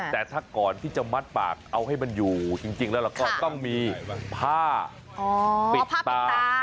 แต่ถ้าก่อนที่จะมัดปากเอาให้มันอยู่จริงแล้วเราก็ต้องมีผ้าปิดตา